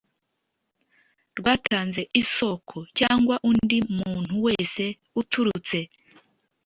rwatanze isoko cyangwa undi muntu wese uturutse